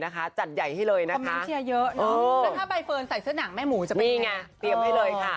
ถ้าใบเฟิร์นใส่เสื้อหนังแม่หมูจะพลัง